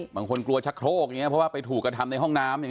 บางคนกลัวชะโครกอย่างนี้เพราะว่าไปถูกกระทำในห้องน้ำ